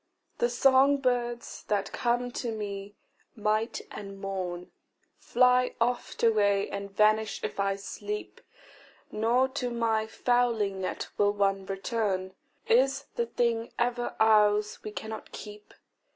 THE song birds that come to me night and morn, Fly oft away and vanish if I sleep, Nor to my fowling net will one return: Is the thing ever ours we cannot keep?